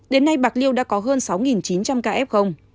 đến nay bạc liêu đã có hơn sáu chín trăm linh ca f